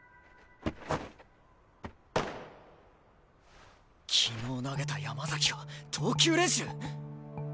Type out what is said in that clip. ・心の声昨日投げた山崎が投球練習？